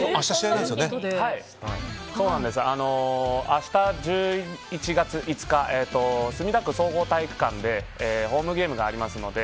明日、１１月５日墨田区総合体育館でホームゲームがありますので。